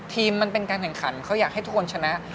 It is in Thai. มันเป็นการแข่งขันเขาอยากให้ทุกคนชนะ